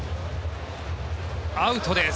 アウトです。